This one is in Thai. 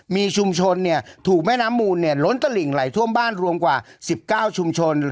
มีชุมชนเนี่ยถูกแม่น้ำมูลเนี่ยล้นตะหลิงไหลทั่วบ้านรวมกว่าสิบเก้าชุมชน